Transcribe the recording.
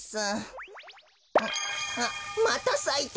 あっまたさいた。